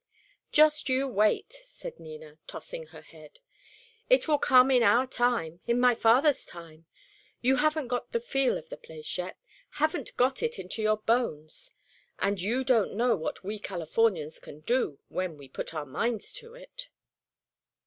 "Just you wait," said Nina, tossing her head. "It will come in our time, in my father's time. You haven't got the feel of the place yet, haven't got it into your bones. And you don't know what we Californians can do, when we put our minds to it."